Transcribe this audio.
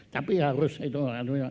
tapi harus itu